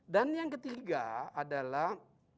dan yang ketiga adalah